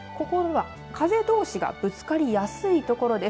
風どうしがぶつかりやすい所です。